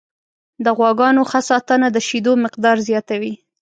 د غواګانو ښه ساتنه د شیدو مقدار زیاتوي.